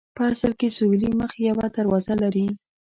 په اصل کې سویلي مخ یوه دروازه لري.